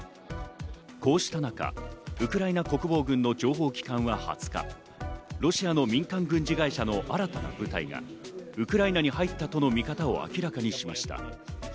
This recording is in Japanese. こうした中、ウクライナ国防軍の情報機関は２０日、ロシアの民間軍事会社の新たな部隊がウクライナに入ったとの見方を明らかにしました。